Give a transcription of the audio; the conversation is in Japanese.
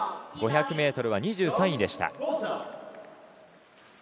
５００ｍは２３位でした。